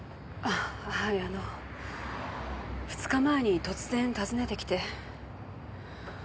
はいあの２日前に突然訪ねてきて。